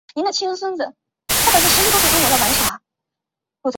水母雪兔子为菊科风毛菊属的植物。